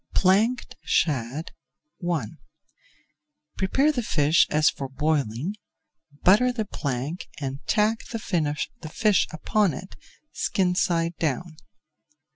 PLANKED SHAD I Prepare the fish as for boiling, butter the plank, and tack the fish upon it, skin side down.